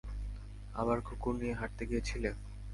আবার কুকর নিয়ে হাটতে গিয়েছিলে?